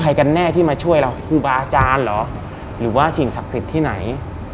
กันแน่ที่มาช่วยเราคือบาอาจารย์เหรอหรือว่าสิ่งศักดิ์สิทธิ์ที่ไหน